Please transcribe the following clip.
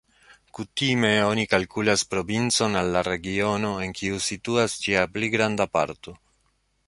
Kutime oni kalkulas provincon al la regiono, en kiu situas ĝia pli granda parto.